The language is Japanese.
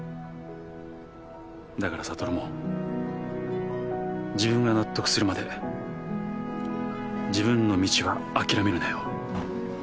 だから悟も自分が納得するまで自分の道は諦めるなよ。